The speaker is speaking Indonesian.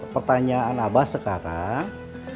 pertanyaan abah sekarang